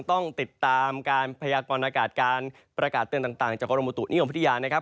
ต้องติดตามการพยากรณากาศการประกาศเตือนต่างจากกรมบุตุนิยมพัทยานะครับ